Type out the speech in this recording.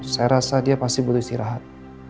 saya rasa dia pasti butuh istirahat